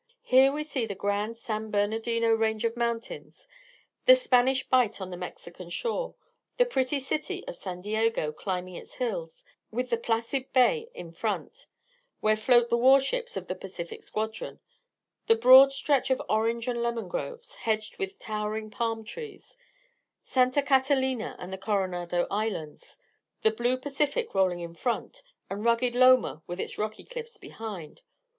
Here we see the grand San Bernardino range of mountains; the Spanish Bight on the Mexican shore; the pretty city of San Diego climbing its hills, with the placid bay in front, where float the warships of the Pacific Squadron; the broad stretch of orange and lemon groves, hedged with towering palm trees; Santa Catalina and the Coronado Islands; the blue Pacific rolling in front and rugged Loma with its rocky cliffs behind.